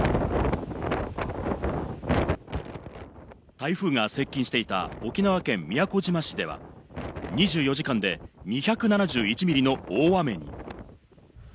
台風が接近していた沖縄県宮古島市では、２４時間で２７１ミリの大雨に。